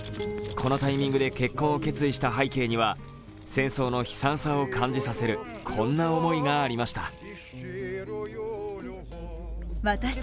このタイミングで結婚を決意した背景には戦争の悲惨さを感じさせる、こんな思いがありました。